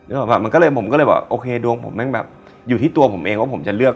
ออกป่ะมันก็เลยผมก็เลยบอกโอเคดวงผมแม่งแบบอยู่ที่ตัวผมเองว่าผมจะเลือก